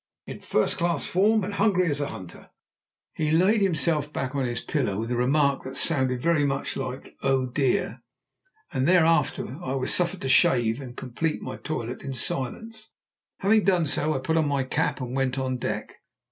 "In first class form, and as hungry as a hunter." He laid himself back on his pillow with a remark that sounded very much like "Oh dear," and thereafter I was suffered to shave and complete my toilet in silence. Having done so I put on my cap and went on deck.